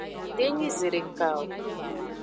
Denyi zedeka o.